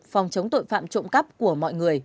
phòng chống tội phạm trộm cắp của mọi người